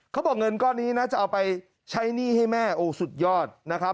เขาบอกเงินก้อนนี้นะจะเอาไปใช้หนี้ให้แม่โอ้สุดยอดนะครับ